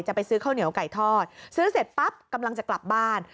จะไปซื้อข้าวเหนียวไก่ทอดซื้อเสร็จปั๊บกำลังจะกลับบ้าน